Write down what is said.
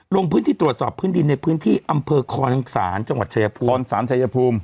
ลงพื้นที่ตรวจสอบพื้นดินในพื้นที่อำเภอคอนสารจังหวัดชายภูมิ